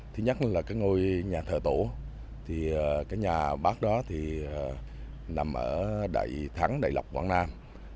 thứ nhất là cái ngôi nhà thờ tổ thì cái nhà bác đó thì nằm ở thắng đại lộc quảng nam